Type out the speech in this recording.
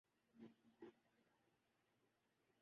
budget میں اس بار تعلیم کے لیے پانچ فیصد بجٹ مختص کیا جائے